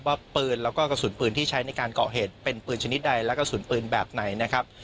ว่าปืนแล้วก็กระสุนปืนที่ใช้ในการก่อเหตุเป็นปืนชนิดใดและกระสุนปืนแบบไหนนะครับ